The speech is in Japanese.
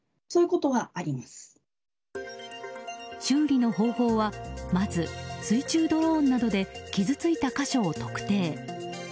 修理の方法はまず、水中ドローンなどで傷ついた箇所を特定。